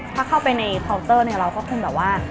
ถ้าเข้าไปในเคาน์เตอร์เนี่ยเราก็คงแบบว่า